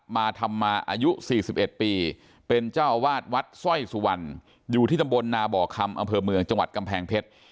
มาธรรมาอายุ๔๑ปีเป็นเจ้าอาวาสวัดสร้อยสุวรรณอยู่ที่ตำบลนาบ่อคำอำเภอเมืองจังหวัดกำแพงเพชร